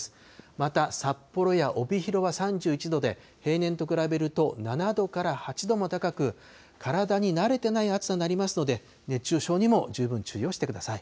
また札幌や帯広は３１度で、平年と比べると７度から８度も高く、体に慣れてない暑さとなりますので、熱中症にも十分注意をしてください。